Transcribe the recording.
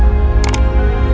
aku sudah lulus s dua